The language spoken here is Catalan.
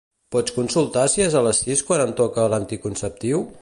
Pots consultar si és a les sis quan em toca l'anticonceptiu?